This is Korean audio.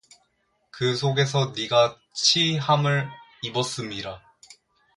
그 속에서 네가 취함을 입었음이라